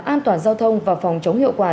an toàn giao thông và phòng chống hiệu quả